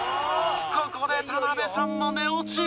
ここで田辺さんも寝落ち！